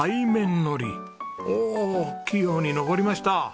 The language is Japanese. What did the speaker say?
おおっ器用に上りました。